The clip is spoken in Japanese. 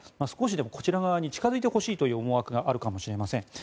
少しでもこちら側に近付いてほしいという思惑があるかもしれません。